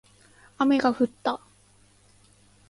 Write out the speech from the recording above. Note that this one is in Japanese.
雨が降った